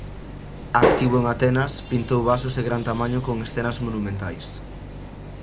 Activo en Atenas, pintou vasos de gran tamaño con escenas monumentais.